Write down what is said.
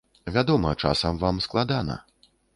Вядома, часам вам складана.